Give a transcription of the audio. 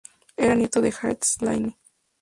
Era nieto de Áed Sláine.